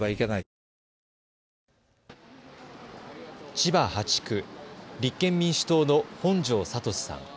千葉８区、立憲民主党の本庄知史さん。